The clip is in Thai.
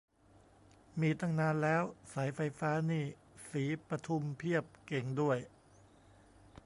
มีตั้งนานแล้ว สายไฟฟ้านี่ ศรีปทุมเพียบ เก่งด้วย